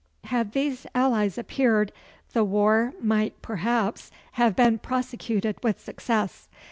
Had these allies appeared, the war might perhaps have been prosecuted with success.